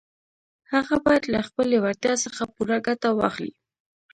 هغه بايد له خپلې وړتيا څخه پوره ګټه واخلي.